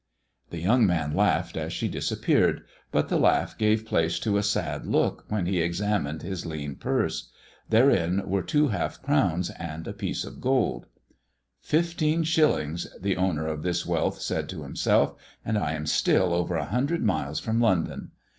The young man laughed as she disappeared, but the laugh gave place to a sad look when he examined his lean purse. Therein were two half crowns and a piece of gold. " Fifteen shillings," the owner of this wealth said to him self, "and I am still over a hundred miles from London.